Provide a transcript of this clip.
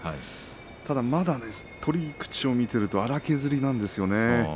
ただ、まだね取り口を見ていると粗削りなんですよね。